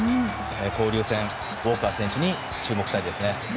交流戦、ウォーカー選手に注目したいですね。